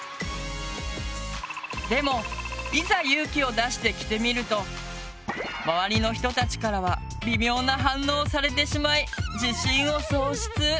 でもいざ勇気を出して着てみると周りの人たちからは微妙な反応をされてしまい自信を喪失。